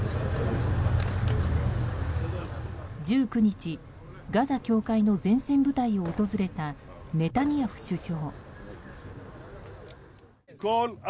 １９日、ガザ境界の前線部隊を訪れた、ネタニヤフ首相。